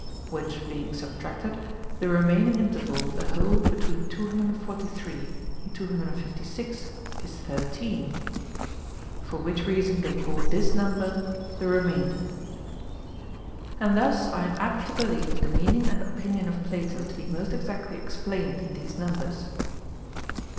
Which being subtracted, the remaining interval of the whole be tween 243 and 256 is 13, for which reason they called this number the remainder. And thus I am apt to believe the meaning and opinion of Plato to be most exactly ex plained in these numbers.